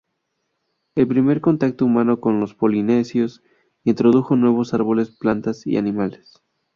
El primer contacto humano con los polinesios, introdujo nuevos árboles, plantas y animales.